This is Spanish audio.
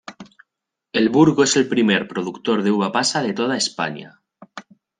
El Burgo es el primer productor de uva pasa de toda España.